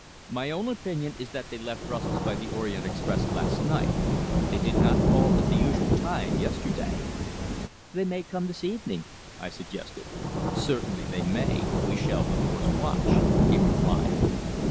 "My own opinion is that they left Brussels by the Orient Express last night. They did not call at the usual time yesterday." "They may come this evening," I suggested. "Certainly they may. We shall, of course, watch," he replied.